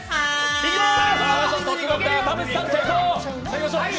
いきまーす。